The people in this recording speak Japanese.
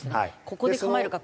ここで構えるか